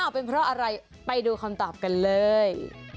เป็นเพราะอะไรไปดูคำตอบกันเลย